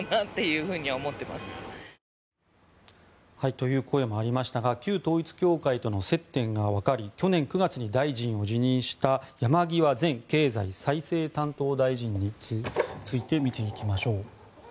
という声もありましたが旧統一教会との接点が分かり去年９月に大臣を辞任した山際前経済再生担当大臣について見ていきましょう。